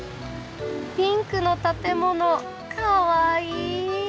ピンクの建物かわいい！